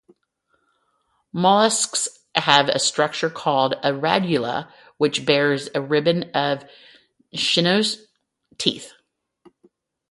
Molluscs have a structure called a radula which bears a ribbon of chitinous "teeth".